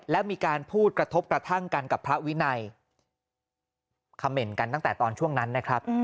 และมีการพูดกระทบกระทั่งกันกับพระวินัยคำเมนต์กันตั้งแต่ตอนช่วงนั้นนะครับ